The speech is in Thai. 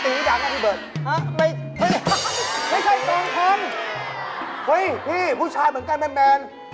พี่ผู้ชายเหมือนกันแม่น